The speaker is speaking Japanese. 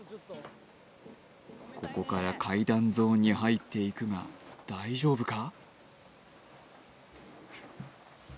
ここから階段ゾーンに入っていくが大丈夫か？